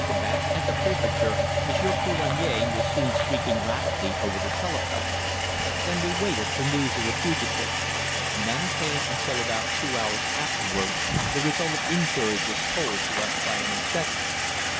Back at the Prefecture Monsieur Coulagne was soon speaking rapidly over the telephone. Then we waited for news of the fugitive. None came until about two hours afterwards the result of inquiries was told to us by an inspector.